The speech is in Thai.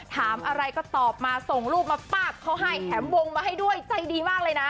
ถามอะไรก็ตอบมาส่งรูปมาปากเขาให้แถมวงมาให้ด้วยใจดีมากเลยนะ